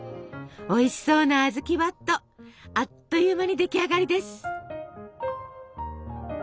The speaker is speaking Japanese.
おいしそうなあずきばっとあっという間に出来上がりです。